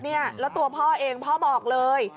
แล้วตัวพ่อเองพ่อบอกเลย